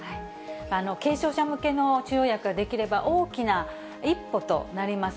軽症者向けの治療薬が出来れば、大きな一歩となります。